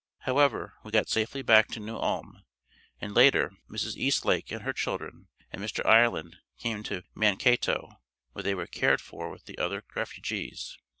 However, we got safely back to New Ulm and later Mrs. Eastlake and her children and Mr. Ireland came to Mankato where they were cared for with the other refugees.